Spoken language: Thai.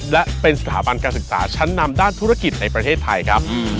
และเป็นสถาบันการศึกษาชั้นนำด้านธุรกิจในประเทศไทยครับ